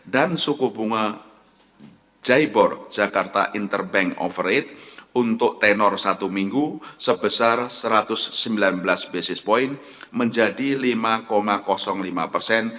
dan suku bunga jaibor jakarta interbank overrate untuk tenor satu minggu sebesar satu ratus sembilan belas basis point menjadi lima lima persen